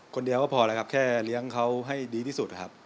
คนเดียวก็พอแล้วครับแค่เลี้ยงเขาให้ดีที่สุดครับ